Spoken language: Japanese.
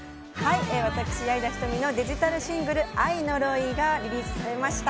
私、矢井田瞳のデジタルシングル「アイノロイ」がリリースされました。